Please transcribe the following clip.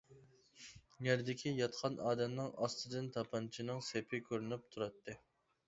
يەردىكى ياتقان ئادەمنىڭ ئاستىدىن تاپانچىنىڭ سېپى كۆرۈنۈپ تۇراتتى.